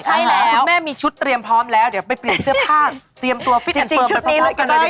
คุณแม่มีชุดเตรียมพร้อมแล้วเดี๋ยวไปเปลี่ยนเสื้อผ้าเตรียมตัวฟิตอันเติมไปพร้อมกันนะ